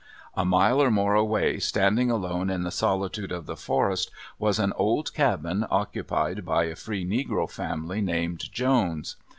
A mile or more away, standing alone in the solitude of the forest, was an old cabin occupied by a free negro family named Jones.